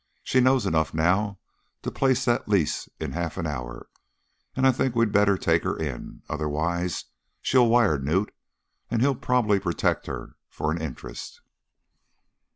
She knows enough now to place that lease in half an hour, and I think we'd better take her in. Otherwise she'll wire Knute, and he'll probably protect her for an interest.'